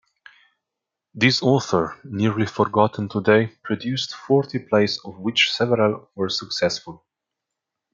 This author, nearly forgotten today, produced forty plays of which several were successful.